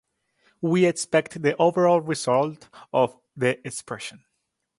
we expect the overall result of the expression